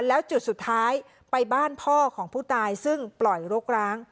แล้วจุดสุดท้ายไปบ้านพ่อของผู้ตายซึ่งปล่อยรกร้าง